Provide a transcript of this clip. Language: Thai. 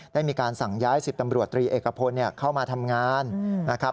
ได้มีการสั่งย้าย๑๐ตำรวจตรีเอกพลเข้ามาทำงานนะครับ